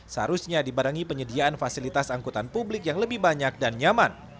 seharusnya dibarengi penyediaan fasilitas angkutan publik yang lebih banyak dan nyaman